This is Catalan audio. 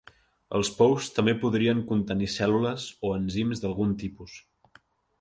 Els pous també podrien contenir cèl·lules o enzims d'algun tipus.